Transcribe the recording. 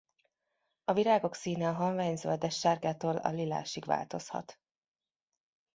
A virágok színe a halvány zöldessárgától a lilásig változhat.